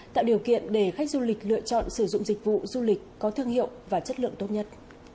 tạo điều kiện để khách du lịch lựa chọn sử dụng dịch vụ du lịch có thương hiệu và chất lượng tốt nhất